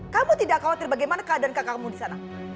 kamu tidak khawatir bagaimana keadaan kakak kamu disana